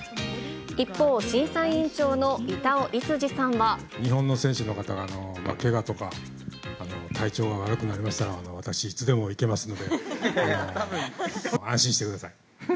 一方、審査委員長の板尾創路日本の選手の方、けがとか、体調が悪くなりましたら、私、いつでも行けますので、安心してください。